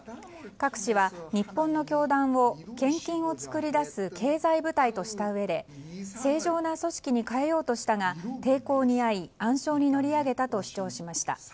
カク氏は日本の教団を献金を作り出す経済部隊としたうえで正常な組織に変えようとしたが抵抗にあい、暗礁に乗り上げたと主張しました。